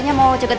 kamu mau pergi